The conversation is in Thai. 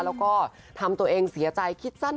แล้วก็ทำตัวเองเสียใจคิดสั้น